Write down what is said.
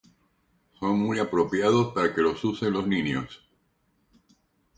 Son muy apropiados para que los usen los niños.